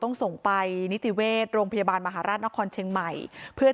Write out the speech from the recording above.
ต้องส่งไปนิติเวชโรงพยาบาลมหาราชนครเชียงใหม่เพื่อ